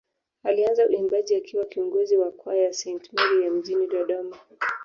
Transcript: Alianza uimbaji akiwa kiongozi wa kwaya ya Saint Mary ya mjini Dodoma